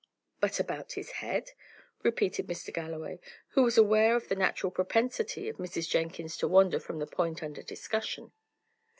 "But about his head?" repeated Mr. Galloway, who was aware of the natural propensity of Mrs. Jenkins to wander from the point under discussion.